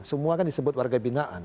semua kan disebut warga binaan